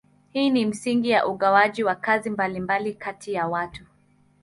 Hii ni msingi wa ugawaji wa kazi mbalimbali kati ya watu.